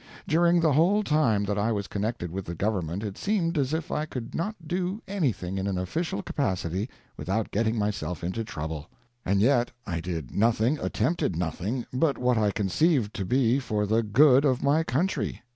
During the whole time that I was connected with the government it seemed as if I could not do anything in an official capacity without getting myself into trouble. And yet I did nothing, attempted nothing, but what I conceived to be for the good of my country.